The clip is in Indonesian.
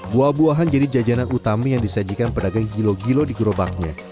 buah buahan jadi jajanan utama yang disajikan pedagang gilo gilo di gerobaknya